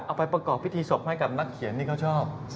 เอาไปประกอบพิธีศพให้กับนักเขียนที่เขาชอบ